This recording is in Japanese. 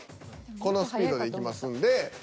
このスピードでいきますんで。